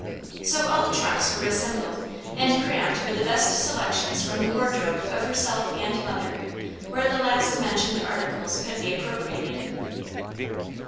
So all the trunks were assembled and crammed with the best selections from the wardrobe of herself and mother, where the last mentioned articles could be appropriated.